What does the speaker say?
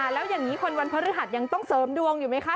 แล้วอย่างนี้คนวันพฤหัสยังต้องเสริมดวงอยู่ไหมคะ